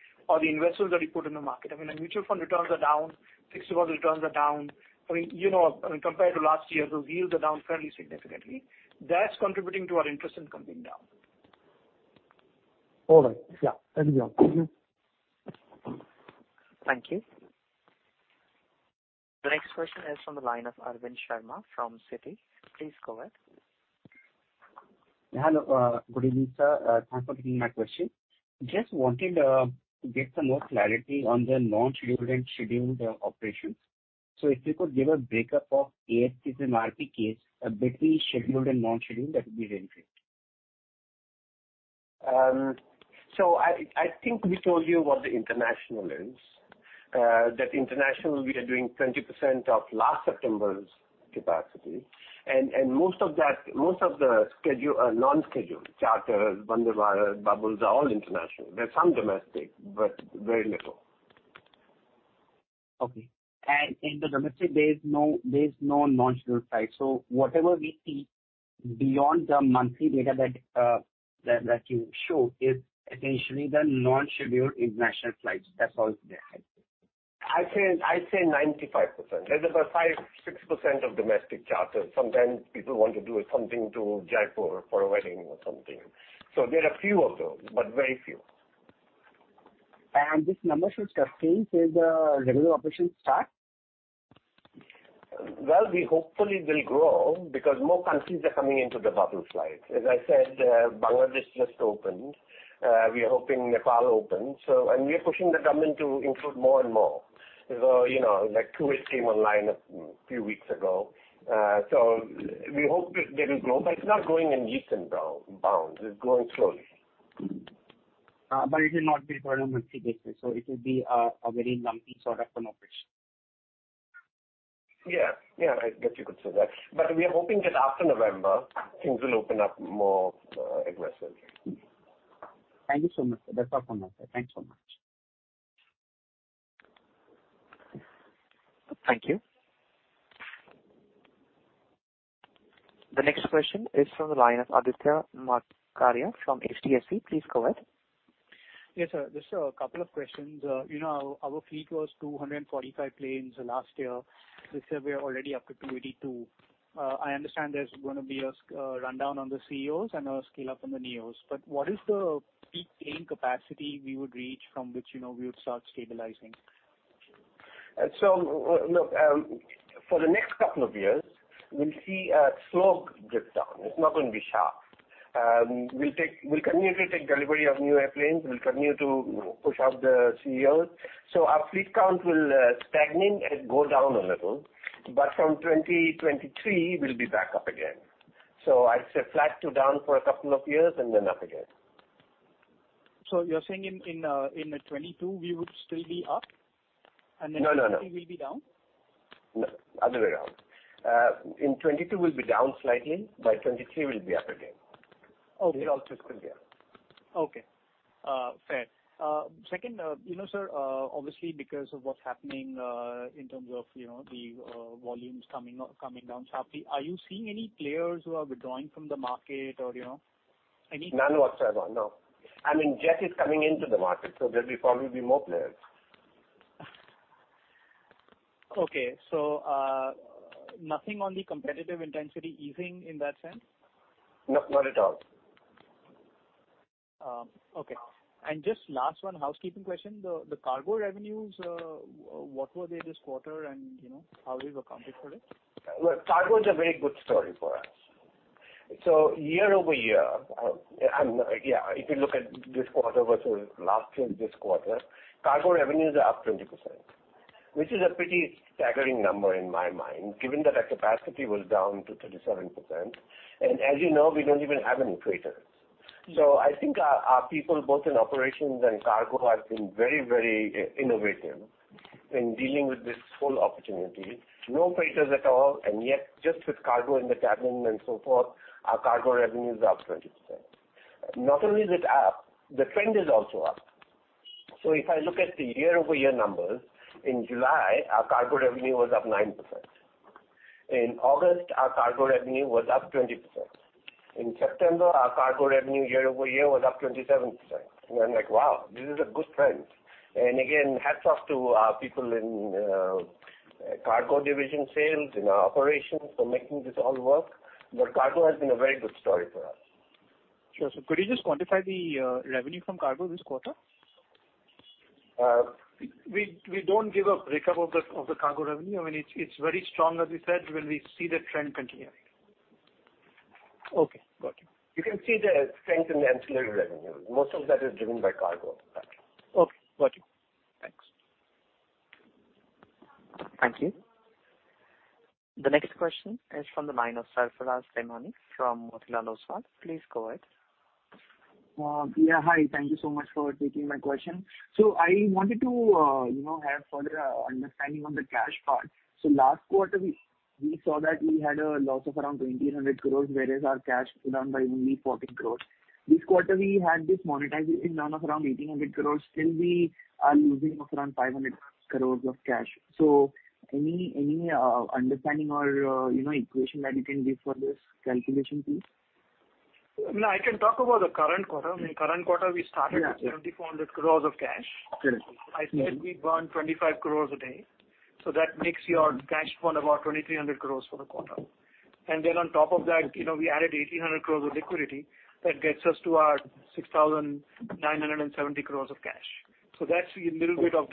investments that we put in the market. I mean, the mutual fund returns are down, fixed returns are down. Compared to last year, those yields are down fairly significantly. That's contributing to our interest in coming down. All right. Yeah. Thank you. Thank you. The next question is from the line of Arvind Sharma from Citi. Please go ahead. Hello. Good evening, sir. Thanks for taking my question. Just wanted to get some more clarity on the non-scheduled and scheduled operations. If you could give a breakup of ASKs and RPKs between scheduled and non-scheduled, that would be really great. I think we told you what the international is. That international, we are doing 20% of last September's capacity. Most of the non-scheduled, charters, Vande Bharat, bubbles, are all international. There's some domestic, but very little. Okay. In the domestic, there is no non-scheduled flights. Whatever we see beyond the monthly data that you show is essentially the non-scheduled international flights. That's all there is. I'd say 95%. There's about 5, 6% of domestic charters. Sometimes people want to do something to Jaipur for a wedding or something. There are a few of those, but very few. This number should sustain till the regular operations start? Well, we hopefully will grow because more countries are coming into the bubble flight. As I said, Bangladesh just opened. We are hoping Nepal opens. We are pushing the government to include more and more. Like Kuwait came online a few weeks ago. We hope that it will grow, but it's not growing in leaps and bounds. It's growing slowly. It will not be on a monthly basis, so it will be a very lumpy sort of an operation. Yeah. I guess you could say that. We are hoping that after November, things will open up more aggressively. Thank you so much, sir. That's all from my side. Thanks so much. Thank you. The next question is from the line of Aditya Makharia from HDFC. Please go ahead. Yes, sir. Just a couple of questions. Our fleet was 245 planes last year. This year, we are already up to 282. I understand there's going to be a rundown on the ceos and a scale-up on the NEOs. What is the peak plane capacity we would reach from which we would start stabilizing? Look, for the next couple of years, we'll see a slope dip down. It's not going to be sharp. We'll continue to take delivery of new airplanes. We'll continue to push out the CEOs. Our fleet count will stagnate and go down a little, but from 2023, we'll be back up again. I'd say flat to down for a couple of years, and then up again. You're saying in 2022, we would still be up? No. 2023, we'll be down? No, other way around. In 2022, we'll be down slightly. By 2023, we'll be up again. Okay. We're all still there. Okay. Fair. Second, sir, obviously because of what's happening in terms of the volumes coming down sharply, are you seeing any players who are withdrawing from the market? None whatsoever, no. Jet is coming into the market, so there'll probably be more players. Okay. Nothing on the competitive intensity easing in that sense? No, not at all. Okay. Just last one, housekeeping question. The cargo revenues, what were they this quarter, and how do you account for it? Look, cargo is a very good story for us. Year-over-year, if you look at this quarter versus last year this quarter, cargo revenues are up 20%, which is a pretty staggering number in my mind, given that our capacity was down to 37%. As you know, we don't even have any freighters. I think our people, both in operations and cargo, have been very innovative in dealing with this whole opportunity. No freighters at all, yet just with cargo in the cabin and so forth, our cargo revenue is up 20%. Not only is it up, the trend is also up. If I look at the year-over-year numbers, in July, our cargo revenue was up 9%. In August, our cargo revenue was up 20%. In September, our cargo revenue year-over-year was up 27%. I'm like, "Wow, this is a good trend." Again, hats off to our people in cargo division sales, in our operations for making this all work. Cargo has been a very good story for us. Sure, sir. Could you just quantify the revenue from cargo this quarter? We don't give a breakup of the cargo revenue. It's very strong, as we said, when we see the trend continuing. Okay, got you. You can see the strength in ancillary revenue. Most of that is driven by cargo. Okay, got you. Thanks. Thank you. The next question is from the line of Sarfraz Vemanani from Motilal Oswal. Please go ahead. Yeah, hi. Thank you so much for taking my question. I wanted to have further understanding on the cash part. Last quarter, we saw that we had a loss of around 2,000 crores, whereas our cash was down by only 40 crores. This quarter, we had this monetization run of around 1,800 crores. Still we are losing around 500 crores of cash. Any understanding or equation that you can give for this calculation, please? No, I can talk about the current quarter. In the current quarter, we started with 7,400 crores of cash. Correct. I said we burn 25 crores a day. That makes your cash burn about 2,300 crores for the quarter. On top of that, we added 1,800 crores of liquidity. That gets us to our 6,970 crores of cash. That's a little bit of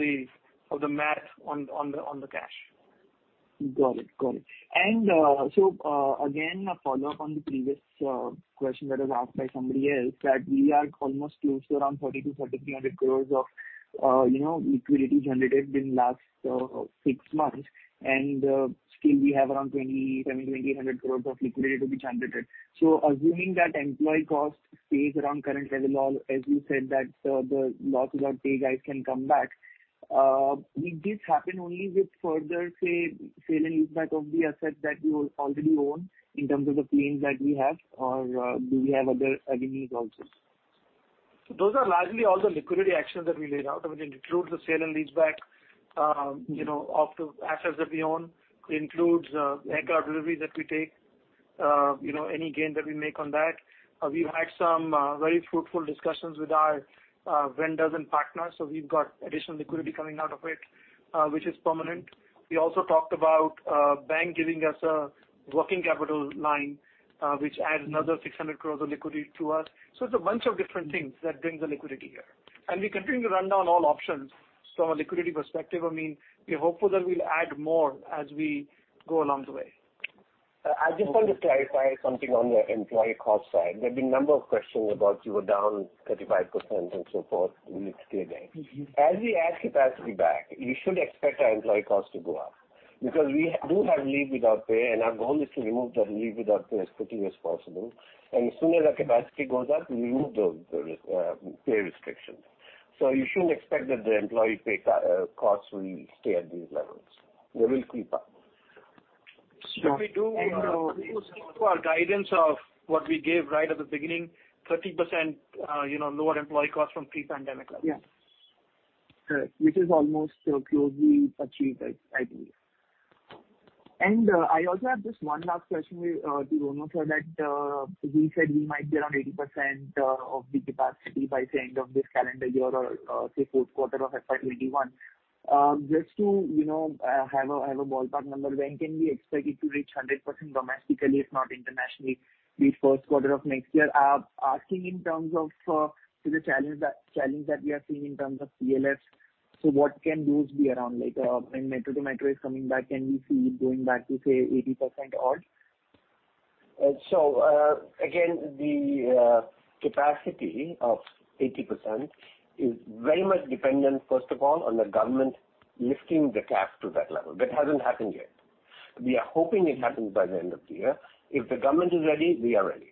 the math on the cash. Got it. Again, a follow-up on the previous question that was asked by somebody else, that we are almost close to around 3,000-3,300 crore of liquidity generated in last six months, and still we have around 2,000 crore of liquidity to be generated. Assuming that employee cost stays around current level, as you said that the loss without pay guys can come back, will this happen only with further, say, sale and lease back of the assets that you already own in terms of the planes that we have, or do we have other avenues also? Those are largely all the liquidity actions that we laid out. It includes the sale and leaseback of the assets that we own. It includes the aircraft deliveries that we take, any gain that we make on that. We've had some very fruitful discussions with our vendors and partners. We've got additional liquidity coming out of it, which is permanent. We also talked about a bank giving us a working capital line, which adds another 600 crore of liquidity to us. It's a bunch of different things that brings the liquidity here. We continue to run down all options from a liquidity perspective. We're hopeful that we'll add more as we go along the way. I just want to clarify something on the employee cost side. There have been a number of questions about you were down 35% and so forth in Q3 again. As we add capacity back, you should expect our employee cost to go up because we do have leave without pay, and our goal is to remove the leave without pay as quickly as possible. As soon as our capacity goes up, we remove those pay restrictions. You shouldn't expect that the employee pay costs will stay at these levels. They will creep up. We do stick to our guidance of what we gave right at the beginning, 30% lower employee cost from pre-pandemic levels. Yes. Correct. Which is almost closely achieved, I believe. I also have just one last question with you, Rono, that we said we might be around 80% of the capacity by the end of this calendar year or say Q4 of FY 2021. Just to have a ballpark number, when can we expect it to reach 100% domestically, if not internationally, the Q1 of next year? Asking in terms of the challenge that we are seeing in terms of PLFs. What can those be around? When metro to metro is coming back, can we see it going back to, say, 80% odd? Again, the capacity of 80% is very much dependent, first of all, on the government lifting the cap to that level. That hasn't happened yet. We are hoping it happens by the end of the year. If the government is ready, we are ready.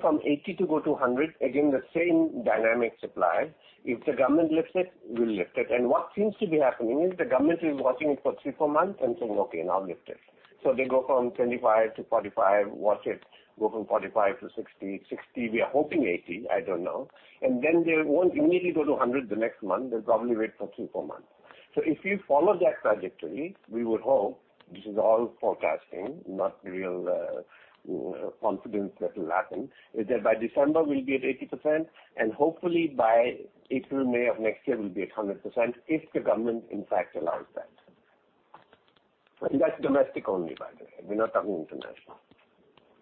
From 80 to go to 100, again, the same dynamic supply. If the government lifts it, we lift it. What seems to be happening is the government is watching it for three, four months and saying, "Okay, now lift it." They go from 25 to 45, watch it, go from 45 to 60. 60, we are hoping 80, I don't know. They won't immediately go to 100 the next month. They'll probably wait for three, four months. If you follow that trajectory, we would hope, this is all forecasting, not real confidence that will happen, is that by December we'll be at 80%, and hopefully by April, May of next year, we'll be at 100% if the government in fact allows that. That's domestic only, by the way. We're not talking international.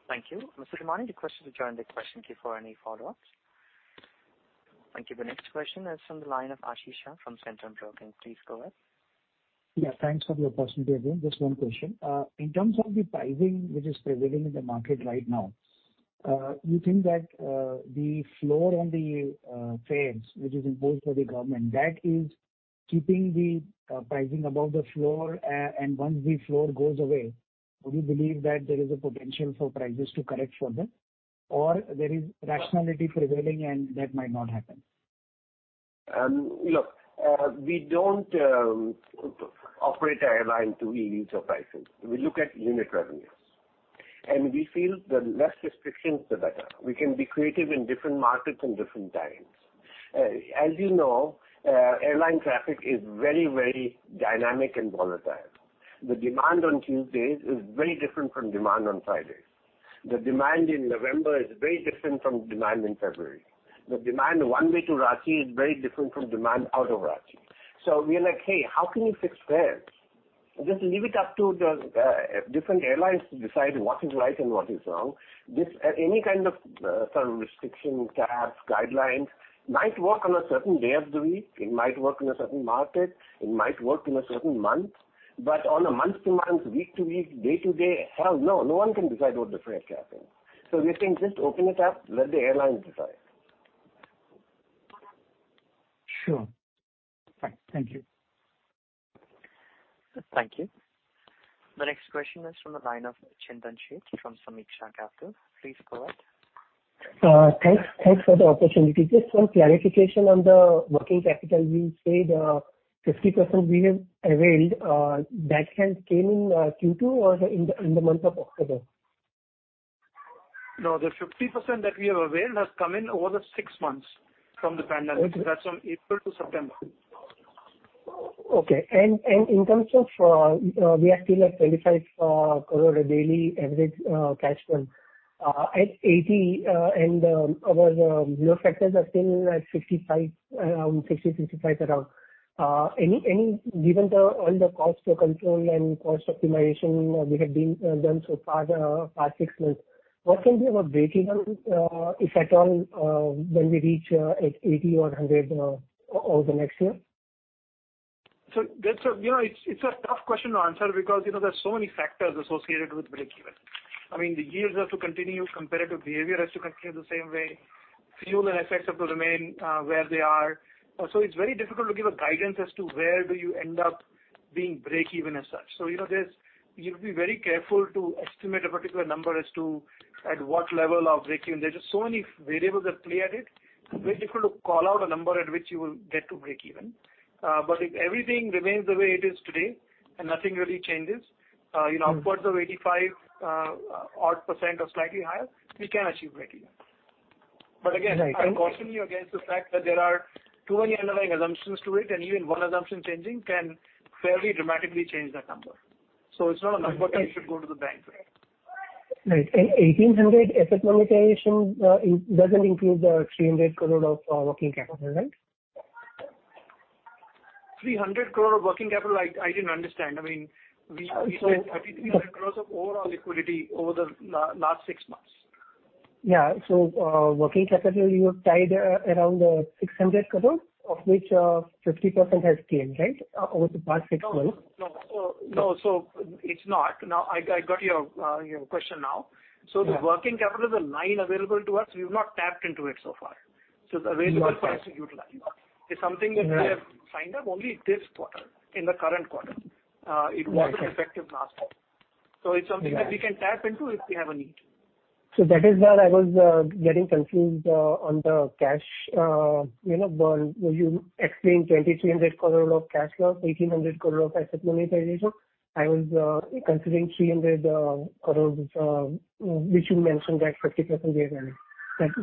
Thank you. Mr. Damani, the questioner joined the question queue for any follow-ups. Thank you. The next question is from the line of Ashish Shah from Centrum Broking. Please go ahead. Yeah, thanks for your question today again. Just one question. In terms of the pricing which is prevailing in the market right now, you think that the floor on the fares, which is imposed by the government, that is keeping the pricing above the floor and once the floor goes away, do you believe that there is a potential for prices to correct further? There is rationality prevailing and that might not happen? Look, we don't operate our airline to elites or prices. We look at unit revenues. We feel the less restrictions, the better. We can be creative in different markets and different times. As you know, airline traffic is very, very dynamic and volatile. The demand on Tuesdays is very different from demand on Fridays. The demand in November is very different from demand in February. The demand one way to Ranchi is very different from demand out of Ranchi. We are like, "Hey, how can you fix fares?" Just leave it up to the different airlines to decide what is right and what is wrong. Any kind of restriction caps, guidelines might work on a certain day of the week. It might work in a certain market. It might work in a certain month. On a month to month, week to week, day to day, hell no. No one can decide what the fare capping. We think just open it up, let the airlines decide. Sure. Fine. Thank you. Thank you. The next question is from the line of Chintan Sheth from Sameeksha Capital. Please go ahead. Thanks for the opportunity. Just one clarification on the working capital. You said 50% we have availed, that has came in Q2 or in the month of October? No, the 50% that we have availed has come in over the six months from the pandemic. That's from April to September. Okay. We are still at 25 crore daily average cash burn at 80 and our load factors are still at 65 around. Given all the cost to control and cost optimization we have done so far the past six months, what can be our breakeven, if at all, when we reach at 80 or 100 over the next year? It's a tough question to answer because there's so many factors associated with breakeven. The yields have to continue, competitive behavior has to continue the same way. Fuel and FX have to remain where they are. It's very difficult to give a guidance as to where do you end up being breakeven as such. You have to be very careful to estimate a particular number as to at what level of breakeven. There are just so many variables at play at it. It's very difficult to call out a number at which you will get to breakeven. If everything remains the way it is today and nothing really changes upwards of 85% odd or slightly higher, we can achieve breakeven. Again, I caution you against the fact that there are too many underlying assumptions to it, and even one assumption changing can fairly dramatically change that number. It's not a number that you should go to the bank with. Right. 1,800 asset monetization doesn't include the 300 crore of working capital, right? 300 crore of working capital, I didn't understand. We said 3,300 crore of overall liquidity over the last six months. Yeah. Working capital, you have tied around 600 crore, of which 50% has came, right? Over the past six months. No. It's not. I got your question now. Yeah. The working capital is a line available to us. We've not tapped into it so far. It's available for us to utilize. It's something that we have signed up only this quarter, in the current quarter. It was effective last quarter. It's something that we can tap into if we have a need. That is where I was getting confused on the cash burn. Where you explained 2,300 crore of cash flow, 1,800 crore of asset monetization. I was considering 300 crores, which you mentioned that 50% was earning.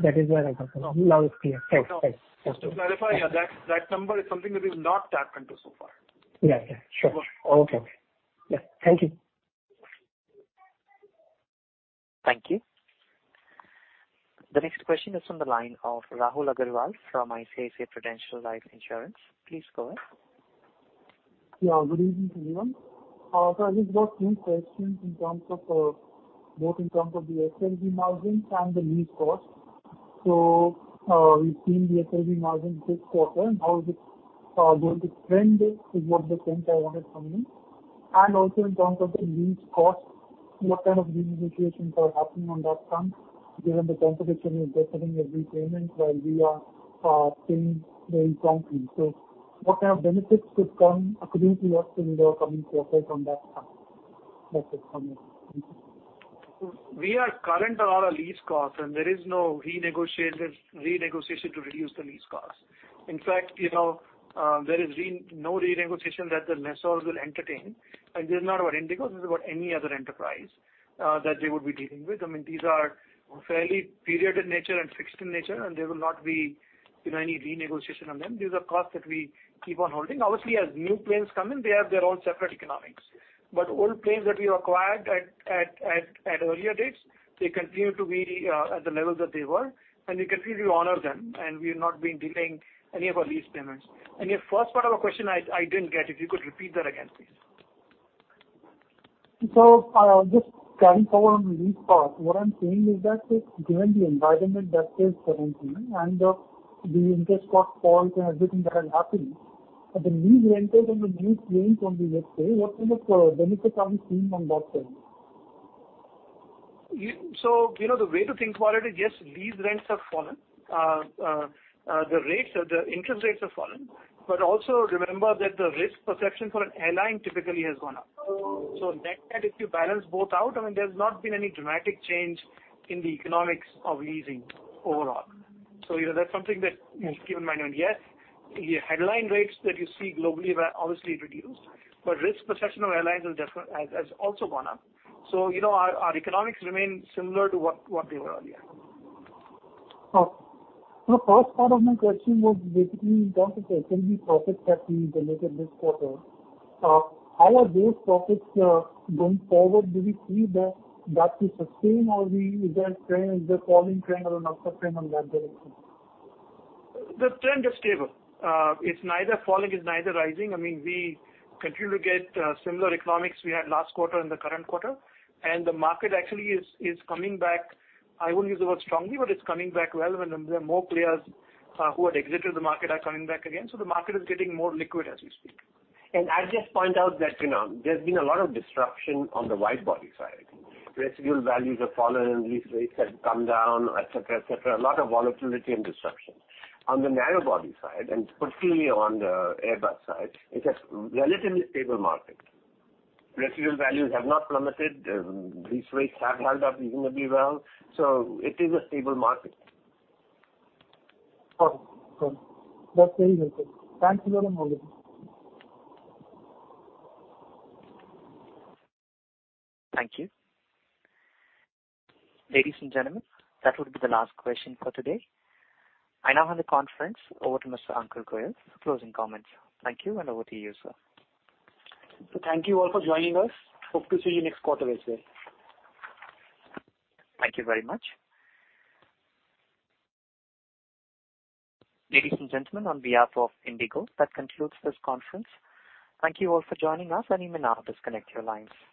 That is where I am confused. Now it is clear. Thanks. To clarify, that number is something that is not tapped into so far. Yeah. Sure. Okay. Thank you. Thank you. The next question is on the line of Rahul Aggarwal from ICICI Prudential Life Insurance. Please go ahead. Good evening to everyone. I just got two questions, both in terms of the SLB margin and the lease cost. We've seen the SLB margin this quarter, and how is it going to trend is what the point I wanted from you. In terms of the lease cost, what kind of renegotiations are happening on that front? Given the competition is deferring their lease payments while we are paying very promptly. What kind of benefits could come, according to you, in the coming quarter on that front? That's it from me. Thank you. We are current on our lease cost. There is no renegotiation to reduce the lease cost. In fact, there is no renegotiation that the lessors will entertain. This is not about IndiGo, this is about any other enterprise that they would be dealing with. These are fairly period in nature and fixed in nature. There will not be any renegotiation on them. These are costs that we keep on holding. Obviously, as new planes come in, they have their own separate economics. Old planes that we acquired at earlier dates, they continue to be at the level that they were. We continue to honor them, and we've not been delaying any of our lease payments. Your first part of a question I didn't get. If you could repeat that again, please. Just carrying forward on the lease part, what I'm saying is that given the environment that is currently and the interest cost falls and everything that has happened, the lease rentals on the new planes, from the let's say, what kind of benefits are we seeing on that front? The way to think about it is, yes, lease rents have fallen. The interest rates have fallen. Also remember that the risk perception for an airline typically has gone up. Net, if you balance both out, there's not been any dramatic change in the economics of leasing overall. That's something that you must keep in mind. Yes, the headline rates that you see globally have obviously reduced, but risk perception of airlines has also gone up. Our economics remain similar to what they were earlier. The first part of my question was basically in terms of SLB profits that we generated this quarter. How are those profits going forward? Do we see that to sustain or is there a falling trend or an upward trend on that direction? The trend is stable. It's neither falling, it's neither rising. We continue to get similar economics we had last quarter and the current quarter. The market actually is coming back. I won't use the word strongly, but it's coming back relevant, and there are more players who had exited the market are coming back again. The market is getting more liquid as we speak. I just point out that there's been a lot of disruption on the wide-body side. Residual values have fallen, lease rates have come down, et cetera. A lot of volatility and disruption. On the narrow body side, and particularly on the Airbus side, it's a relatively stable market. Residual values have not plummeted. Lease rates have held up reasonably well. It is a stable market. That's very helpful. Thanks a lot. Thank you. Ladies and gentlemen, that will be the last question for today. I now hand the conference over to Mr. Ankur Goel for closing comments. Thank you, and over to you, sir. Thank you all for joining us. Hope to see you next quarter as well. Thank you very much. Ladies and gentlemen, on behalf of IndiGo, that concludes this conference. Thank you all for joining us, and you may now disconnect your lines.